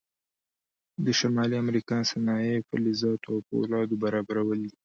د شمالي امریکا صنایع فلزاتو او فولادو برابرول دي.